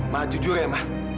mak jujur ya mak